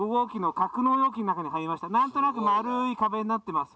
なんとなく丸い壁になってます。